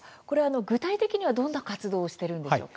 具体的には、どんな活動をしているんでしょうか。